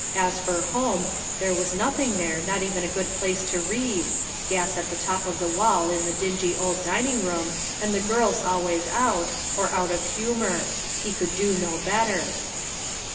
As for home, there was nothing there, not even a good place to read gas at the top of the wall in the dingy old dining room, and the girls always out or out of humour; he could do no better."